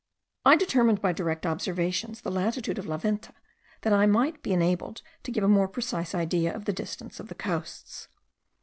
I determined by direct observations the latitude of La Venta, that I might be enabled to give a more precise idea of the distance of the coasts.